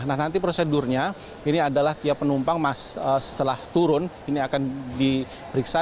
nah nanti prosedurnya ini adalah tiap penumpang setelah turun ini akan diperiksa